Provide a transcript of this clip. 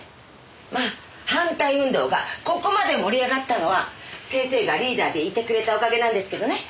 まあ反対運動がここまで盛り上がったのは先生がリーダーでいてくれたおかげなんですけどね。